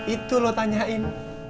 itu lo tanyain